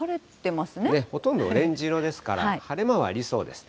ほとんどオレンジ色ですから、晴れ間はありそうです。